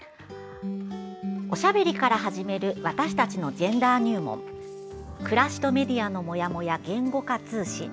『おしゃべりから始める私たちのジェンダー入門暮らしとメディアのモヤモヤ「言語化」通信』